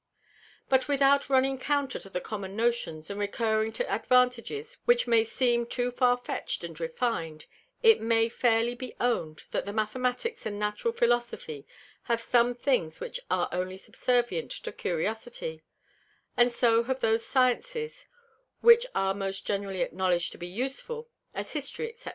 But without running counter to the common Notions, and recurring to Advantages which may seem too far fetch'd and refin'd, it may fairly be own'd, that the Mathematicks and Natural Philosophy have some things which are only subservient to Curiosity; and so have those Sciences which are most generally acknowledg'd to be useful, as History, _&c.